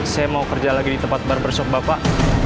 saya mau kerja lagi di tempat barbershop bapak